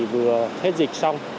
vừa hết dịch xong